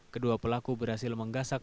kedua pelaku berhasil menggasak